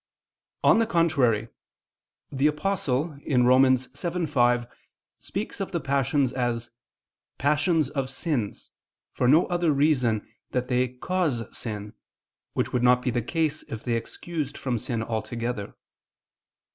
On the contrary, The Apostle (Rom. 7:5) speaks of the passions as "passions of sins," for no other reason than that they cause sin: which would not be the case if they excused from sin altogether.